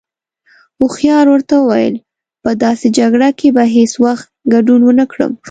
هوښيار ورته وويل: په داسې جگړه کې به هیڅ وخت گډون ونکړم.